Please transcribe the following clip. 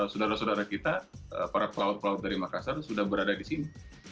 saudara saudara kita para pelaut pelaut dari makassar sudah berada di sini